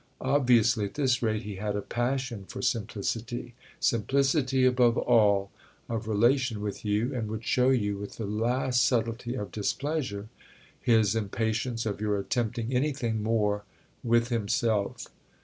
Obviously, at this rate, he had a passion for simplicity—simplicity, above all, of relation with you, and would show you, with the last subtlety of displeasure, his impatience of your attempting anything more with himself.